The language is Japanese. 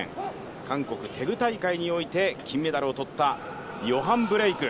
韓国のテグ大会において金メダルを取ったヨハン・ブレイク。